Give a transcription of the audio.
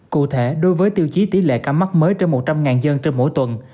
cụ thể đối với tiêu chí tỷ lệ ca mắc mới trên một trăm linh dân trên mỗi tuần